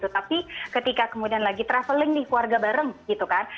tapi ketika lagi traveling di keluarga bareng gitu kan